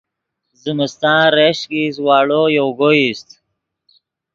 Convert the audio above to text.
زمستان ریشک ایست واڑو یوگو ایست